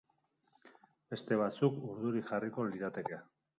Beste batzuk urduri jarriko lirateke.